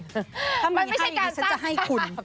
ถ้ามีให้อีกนี้จะให้คุณ